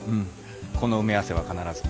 この埋め合わせは必ず。